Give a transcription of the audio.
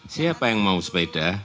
siapa yang mau sepeda